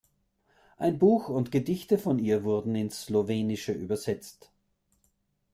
Ein Buch und Gedichte von ihr wurden ins Slowenische übersetzt.